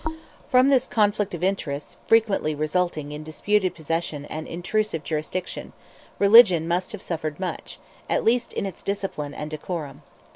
From this conflict of interests, frequently resulting in disputed possession and intrusive jurisdiction, religion must have suffered much, at least in its discipline and decorum.